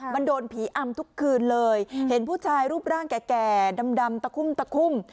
มันโดนผีอำทุกคืนเลยเห็นผู้ชายรูปร่างแก่ดำตะคุ่มตะคุ่ม